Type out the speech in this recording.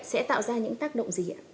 sẽ tạo ra những tác động gì ạ